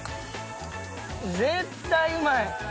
絶対うまい。